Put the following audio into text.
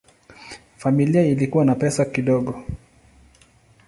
Familia ilikuwa ina pesa kidogo.